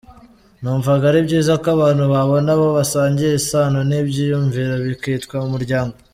Numva ari byiza ko abantu babona abo basangiye isano n’ibyiyumviro, bikitwa umuryango.